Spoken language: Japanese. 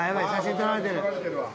撮られてるわ。